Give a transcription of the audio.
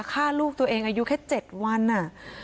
ฆ่าลูกตัวเองอายุแค่๗วัน